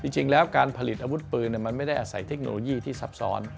จริงแล้วการผลิตอาวุธปืนมันไม่ได้อาศัยเทคโนโลยีที่ซับซ้อน